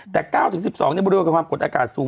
แต่๙๑๒ในบริเวณความกดอากาศสูง